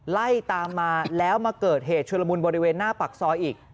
ไล่ตามมาแล้วมาเกิดเหตุชุลมุนบริเวณหน้าปากซอยอีก